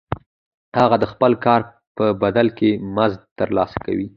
هغه د خپل کار په بدل کې مزد ترلاسه کوي